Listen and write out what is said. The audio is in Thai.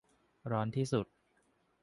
ร้อนที่สุด